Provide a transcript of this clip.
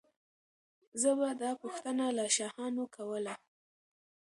زه به دا پوښتنه له شاهانو کوله.